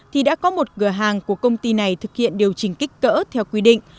thì đã có một cửa hàng của công ty này thực hiện điều chỉnh kích cỡ theo quy định